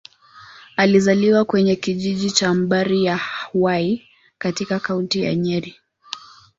Alizaliwa kwenye kijiji cha Mbari-ya-Hwai, katika Kaunti ya Nyeri.